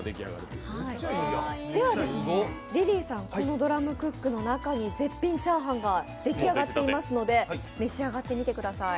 ではリリーさん、このドラムクックの中に絶品チャーハンが出来上がっていますので召し上がってみてください。